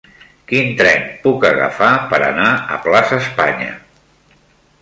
Quin tren puc agafar per anar a Plaça Espanya?